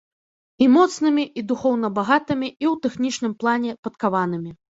І моцнымі, і духоўна багатымі, і ў тэхнічным плане падкаванымі.